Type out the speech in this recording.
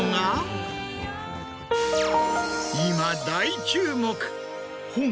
今大注目！